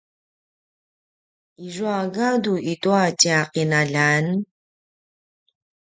izua gadu itua tja qinaljan?